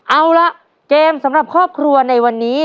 เอาละเกมสำหรับครอบครัวในวันนี้